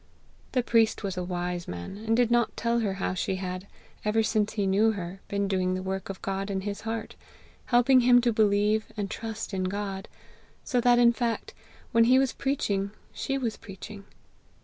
The priest was a wise man, and did not tell her how she had, since ever he knew her, been doing the work of God in his heart, helping him to believe and trust in God; so that in fact, when he was preaching, she was preaching.